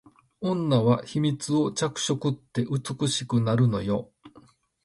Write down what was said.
女は秘密を着飾って美しくなるのよ